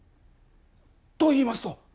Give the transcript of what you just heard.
といいますと？